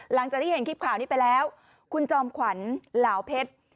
หลังจากที่เห็นคลิปข่าวนี้ไปแล้วคุณจอมขวัญเหลาเพชร